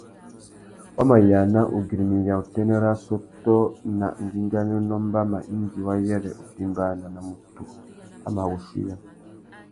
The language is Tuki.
Wa mà yāna ugüirimiya utênê râ assôtô nà ngüinganénô mbama indi wa yêrê utimbāna nà mutu a mà wuchuiya.